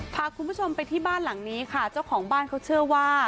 พาคุณผู้ชมไปที่บ้านหลังนี้ค่ะเจ้าของบ้านเขาเชื่อว่า